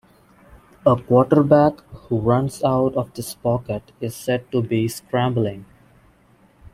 A quarterback who runs out of this pocket is said to be scrambling.